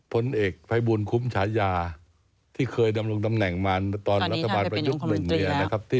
ผลเอกภัยบูรณ์คุ้มฉายาที่เคยนำลงตำแหน่งมาตอนรัฐบาลประยุทธ์๑